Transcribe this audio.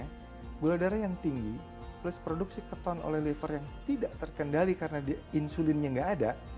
karena gula darah yang tinggi plus produksi keton oleh liver yang tidak terkendali karena insulinnya nggak ada